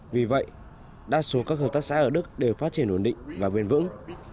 vì vậy đa số các hợp tác xã ở đức đều phát triển ổn định và bền vững